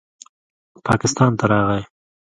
پاکستان ته راغے